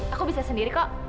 aku bisa sendiri kok